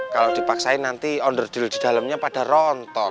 kalau dipaksain nanti onerdil di dalamnya pada rontok